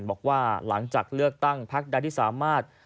บอกว่าหลังจากเลือกตั้งพักใดที่สามารถ